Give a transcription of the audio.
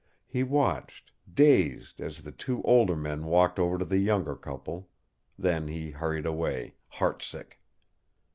He watched, dazed, as the two older men walked over to the younger couple; then he turned away, heart sick.